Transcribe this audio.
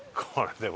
でも。